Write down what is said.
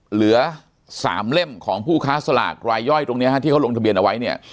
เหลือ๓เล่มของผู้ค้าสลากรายย่อยตรงนี้ที่เขาลงทะเบียนเอาไว้เนี่ย